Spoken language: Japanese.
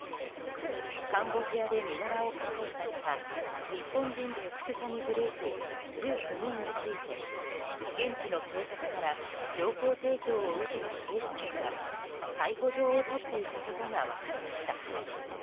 カンボジアで身柄を確保された日本人特殊詐欺グループ１９人について現地の警察から情報提供を受けた警視庁が逮捕状を取っていたことが分かりました。